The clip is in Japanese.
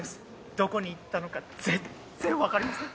どこに行ったのか全然分かりません。